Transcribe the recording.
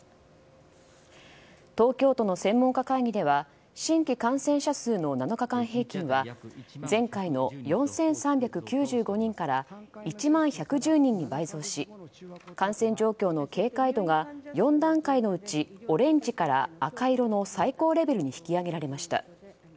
東京都の専門家会議では新規感染者数の７日間平均は前回の４３９５人から１万１１０人に倍増し感染状況の警戒度が４段階のうちオレンジから赤色の最高レベルに引き上げられました。